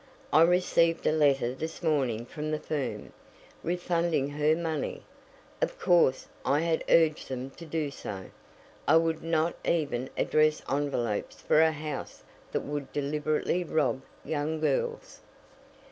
I received a letter this morning from the firm, refunding her money. Of course, I had urged them to do so. I would not even address envelopes for a house that would deliberately rob young girls."